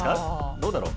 どうだろう。